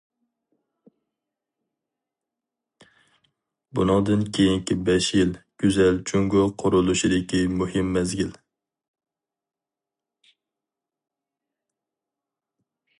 بۇنىڭدىن كېيىنكى بەش يىل گۈزەل جۇڭگو قۇرۇلۇشىدىكى مۇھىم مەزگىل.